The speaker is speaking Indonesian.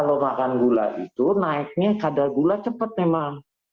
kalau makan gula itu naiknya kadar gula cepat memang